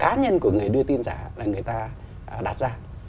do cái cá nhân của người đưa tin giả là người ta đặt ra